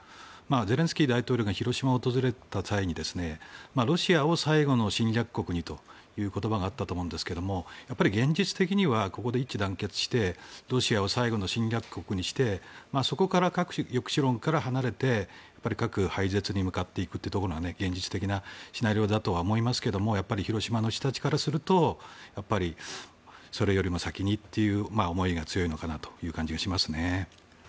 ゼレンスキー大統領が広島を訪れた際にロシアを最後の侵略国にという言葉があったと思うんですが現実的にはここで一致団結してロシアを最後の侵略国にしてそこから核抑止論から離れて核廃絶に向かっていくというところが現実的なシナリオだと思いますが広島の人たちからするとそれよりも先にっていう思いが強いのかなという感じがしますね。